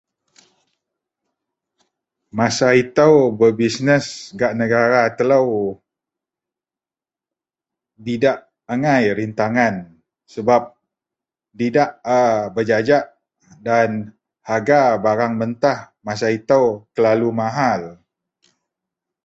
Masa itou berbisnes gak negara telou didak angai rintangan sebab didak a bejajak dan harga bareang mentah masa itou terlalu mahal